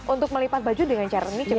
untuk melipat baju dengan cara ini cepat